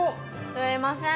すみません。